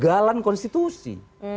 dengan kesalahan konstitusi